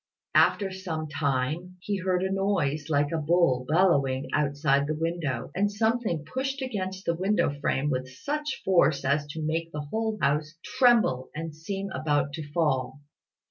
After some time, he heard a noise like a bull bellowing outside the window, and something pushed against the window frame with such force as to make the whole house tremble and seem about to fall.